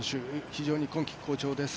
非常に今季、好調です。